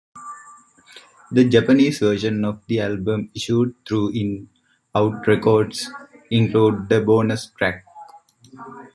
The Japanese version of the album, issued through In-n-Out Records, includes a bonus track.